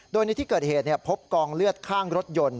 โดยในที่เกิดเหตุพบกองเลือดข้างรถยนต์